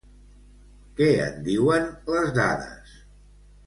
Què en diuen les dades?